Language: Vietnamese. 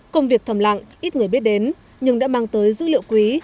công việc thầm lặng ít người biết đến nhưng đã mang tới dữ liệu quý